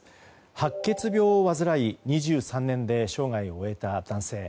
白血病を患い２３年で生涯を終えた男性。